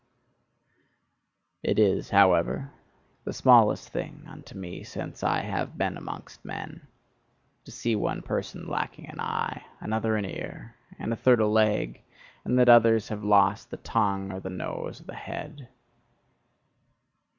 It is, however, the smallest thing unto me since I have been amongst men, to see one person lacking an eye, another an ear, and a third a leg, and that others have lost the tongue, or the nose, or the head.